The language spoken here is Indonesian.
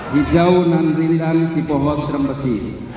hijau nangrindang si pohon terbesi